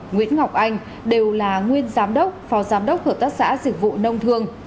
nguyễn ngọc anh đều là nguyên giám đốc phó giám đốc hợp tác xã dịch vụ nông thương